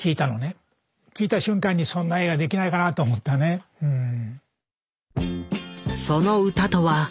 聞いた瞬間にそんな映画できないかなと思ったねうん。